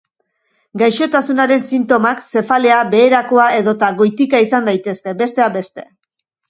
Gaixotasunaren sintomak zefalea, beherakoa edota goitika izan daitezke, besteak beste.